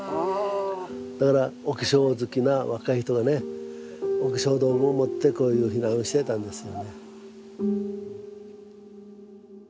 だからお化粧好きな若い人がねお化粧道具を持ってこういう避難してたんですよね。